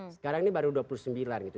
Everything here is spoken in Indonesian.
sekarang ini baru dua puluh sembilan gitu